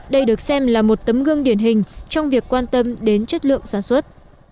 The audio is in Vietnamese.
đây được xem là một tấm gương điển hình trong việc quan tâm đến chất lượng sản xuất